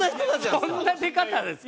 そんな出方ですか？